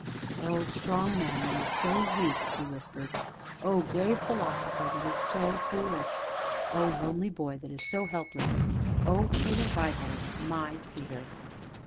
"Oh strong man that is so weak!" she whispered. "Oh grave philosopher that is so foolish! Oh lonely boy that is so helpless! Oh, Peter Vibart my Peter!"